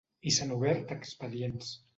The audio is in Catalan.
I s’han obert expedients.